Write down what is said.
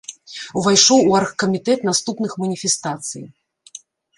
Увайшоў у аргкамітэт наступных маніфестацый.